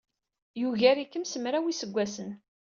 Yugar-ikem s mraw n yiseggasen.